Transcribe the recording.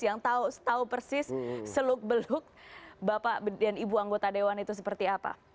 yang tahu persis seluk beluk bapak dan ibu anggota dewan itu seperti apa